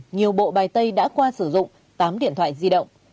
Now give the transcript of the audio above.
nhiều bộ bài tay đã qua sử dụng tám điện thoại di động